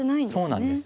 そうなんです。